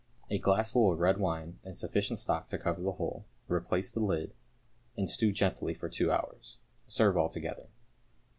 A glassful of red wine and sufficient stock to cover the whole, replace the lid, and stew gently for two hours. Serve altogether.